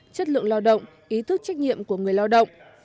chất lượng lao động ý thức trách nhiệm của người lao động